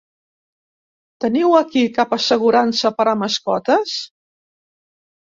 Teniu aquí cap assegurança per a mascotes?